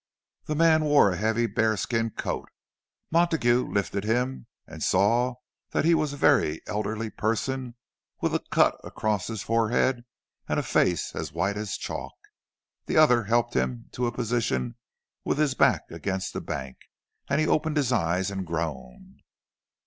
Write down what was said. The man wore a heavy bearskin coat. Montague lifted him, and saw that he was a very elderly person, with a cut across his forehead, and a face as white as chalk. The other helped him to a position with his back against the bank, and he opened his eyes and groaned.